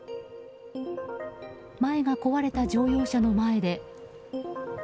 前が壊れた乗用車の前で。